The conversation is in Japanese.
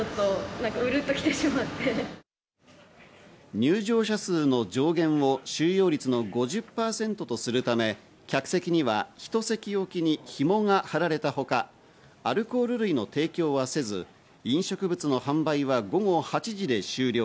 入場者数の上限を収容率の５０％とするため、客席には一席おきにヒモが張られたほか、アルコール類の提供はせず、飲食物の販売は午後８時までで終了。